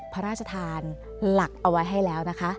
พระราชทานหลักเอาไว้ให้แล้วนะคะ